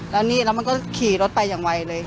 แล้วนี่แล้วมันก็ขี่รถไปอย่างไวเลย